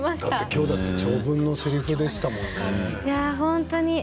今日だって長文のせりふでしたよね。